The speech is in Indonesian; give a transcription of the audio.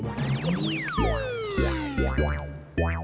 mas kamu bangun deh sahaja